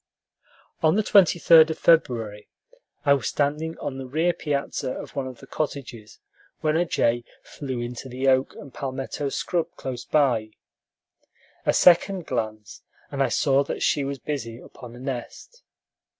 On the 23d of February I was standing on the rear piazza of one of the cottages, when a jay flew into the oak and palmetto scrub close by. A second glance, and I saw that she was busy upon a nest.